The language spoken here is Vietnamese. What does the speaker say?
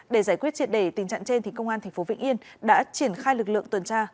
để giải quyết triệt đề tình trạng trên công an tp vĩnh yên đã triển khai lực lượng tuần tra